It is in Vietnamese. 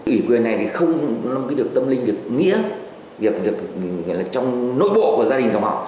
ủy quyền này thì không được tâm linh được nghĩa được trong nội bộ của gia đình dòng họ